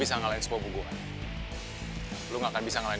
di sini garlic mereka akan kembali